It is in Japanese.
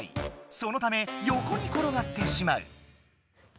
そのためよこにころがってしまう。